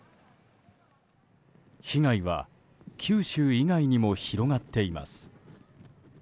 被害は九州以外にも広がっています。